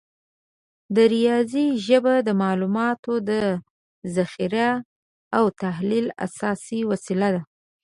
د ریاضي ژبه د معلوماتو د ذخیره او تحلیل اساسي وسیله ده.